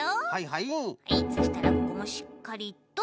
はいそしたらここもしっかりと。